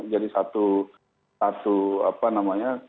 jadi satu satu apa namanya